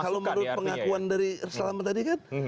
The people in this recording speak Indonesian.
kalau menurut pengakuan dari salam tadi kan